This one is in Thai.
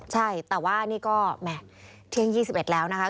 ใช่แต่ว่านี่ก็แหม่เที่ยง๒๑แล้วนะคะ